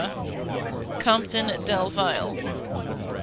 COMPTON DELVILE.